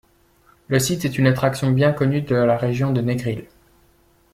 Le site est une attraction bien connue de la région de Negril.